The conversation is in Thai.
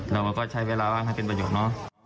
เราก็ใช้เวลาให้เป็นประโยชน์